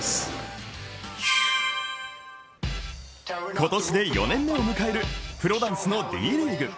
今年で４年目を迎えるプロダンスのＤリーグ。